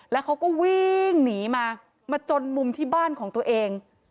แล้วเขาก็วิ่งหนีมามาจนมุมที่บ้านของตัวเอง